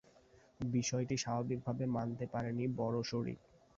বিষয়টি স্বাভাবিকভাবে মানতে পারেনি বড় শরিক।